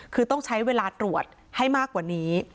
คือต้องใช้เวลาตรวจให้มากกว่านี้